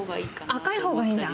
赤いほうがいいんだ。